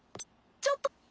ちょっと！